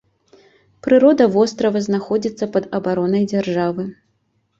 Прырода вострава знаходзіцца пад абаронай дзяржавы.